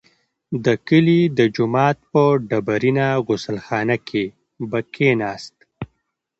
د کلي د جومات په ډبرینه غسل خانه کې به کښېناست.